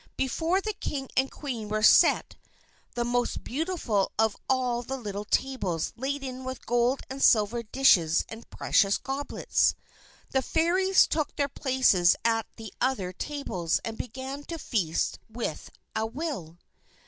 Before the King and Queen was set the most beautiful of all the little tables laden with gold and silver dishes and precious goblets. The Fairies took their places at the other tables, and began to feast with a will.